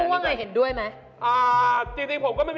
แป้งเหรอ